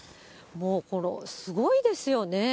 もうすごいですよね。